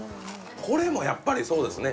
これもやっぱりそうですね